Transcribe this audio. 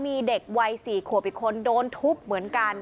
มีเด็กวัย๔ขวบอีกคนโดนทุบเหมือนกัน